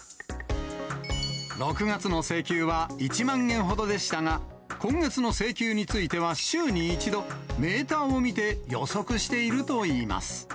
６月の請求は１万円ほどでしたが、今月の請求については週に１度、メーターを見て予測しているとい